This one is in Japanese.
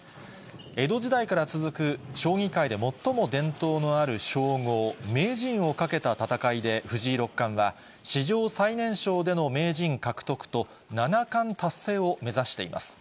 江戸時代から続く、将棋界で最も伝統のある称号、名人をかけた戦いで、藤井六冠は、史上最年少での名人獲得と、七冠達成を目指しています。